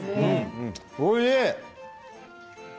おいしい。